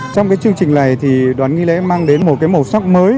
trong cái chương trình này thì đoàn nghi lễ mang đến một cái màu sắc mới